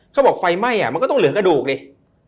เขาบอกไฟไหม้มันก็ต้องเหลือกระดูกดิ